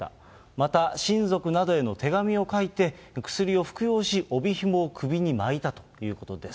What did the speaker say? また、親族などへの手紙を書いて、薬を服用し、帯ひもを首に巻いたということです。